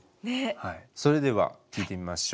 それでは聴いてみましょう。